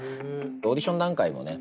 オーディション段階でもね